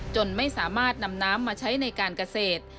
จนไม่สามารถนำน้ำมาใช้ในการเกษตร